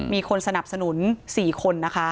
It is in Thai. มีคนสนับสนุน๔คนนะคะ